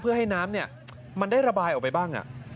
เพื่อให้น้ำมันได้ระบายออกไปบ้าง